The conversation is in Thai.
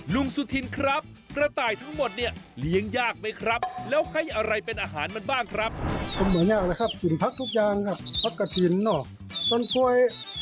ลุงสุธินแกะปล่อยกระต่ายให้เดินกินอาหารในบ้านแบบนี้เลย